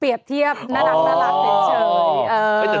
เปรียบเทียบน่ารักเต็มเฉย